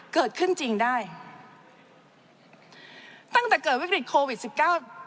เกิดขึ้นจริงได้ตั้งแต่เกิดวิกฤตโควิดสิบเก้า